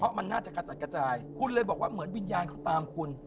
เพราะมันน่าจะกระจ่ายก็เลยบอกว่าเหมือนวิญญาณเขามีตามคุณ